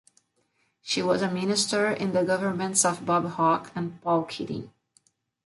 She was a minister in the governments of Bob Hawke and Paul Keating.